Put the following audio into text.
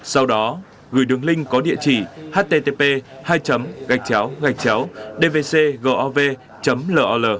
sau đó gửi đường link có địa chỉ http hai gachchao gachchao vn